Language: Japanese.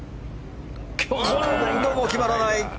今度も決まらない。